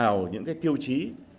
theo những cái tiêu chí